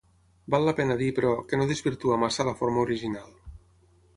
Val la pena dir però, que no desvirtua massa la forma original.